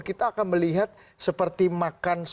kita akan melihat seperti makan sop kaki